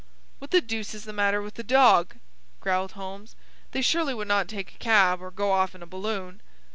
"What the deuce is the matter with the dog?" growled Holmes. "They surely would not take a cab, or go off in a balloon."